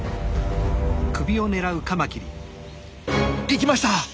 いきました！